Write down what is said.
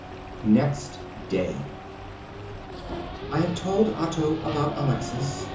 Next Day. I have told Otto about Alexis.